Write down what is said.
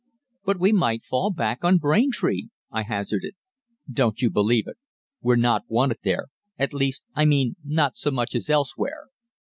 "'But we might fall back on Braintree?' I hazarded. "'Don't you believe it. We're not wanted there at least, I mean, not so much as elsewhere.